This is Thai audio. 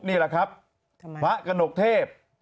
นี่แหละครับพระกระหนกเทพ